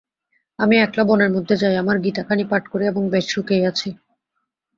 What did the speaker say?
আমি একলা বনের মধ্যে যাই, আমার গীতাখানি পাঠ করি এবং বেশ সুখেই আছি।